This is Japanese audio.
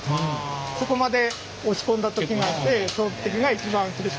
そこまで落ち込んだ時があってその時が一番苦しかったです。